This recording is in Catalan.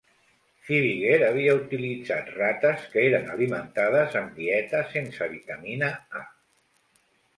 Fibiger havia utilitzat rates que eren alimentades amb dieta sense vitamina A.